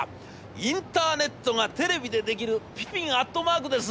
インターネットがテレビでできるピピンアットマークです！』。